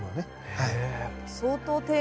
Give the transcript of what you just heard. はい。